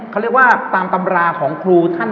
เกือบสิบท่านครับ